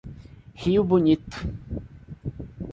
Rio Bonito